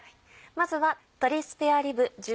まずは。